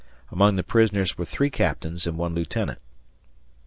Among the prisoners were 3 captains and 1 lieutenant.